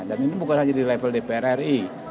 dan ini bukan saja di level dpr ri